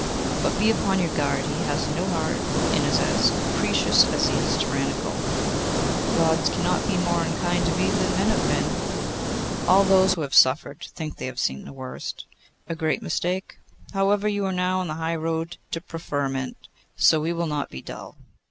But be upon your guard. He has no heart, and is as capricious as he is tyrannical.' 'Gods cannot be more unkind to me than men have been.' 'All those who have suffered think they have seen the worst. A great mistake. However, you are now in the high road to preferment, so we will not be dull.